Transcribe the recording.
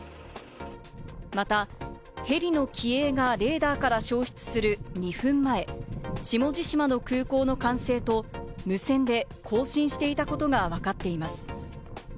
また、ヘリの機影がレーダーから消失する２分前、下地島の空港の管制と無線で交信していたことがわかっています。